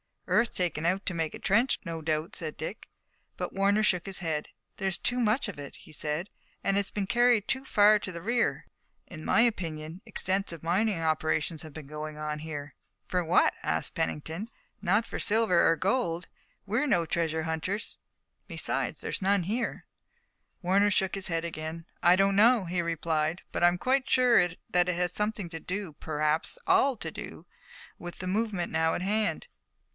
"Earth taken out to make a trench, no doubt," said Dick. But Warner shook his head. "There's too much of it," he said, "and it's been carried too far to the rear. In my opinion extensive mining operations have been going on here." "For what?" asked Pennington. "Not for silver or gold. We're no treasure hunters, and besides, there's none here." Warner shook his head again. "I don't know," he replied, "but I'm quite sure that it has something to do, perhaps all to do, with the movement now at hand.